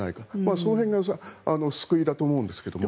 その辺が救いだと思うんですけども。